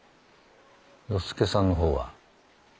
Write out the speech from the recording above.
与助さんの方は？